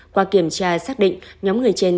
qua kiểm tra xác định nhóm người trên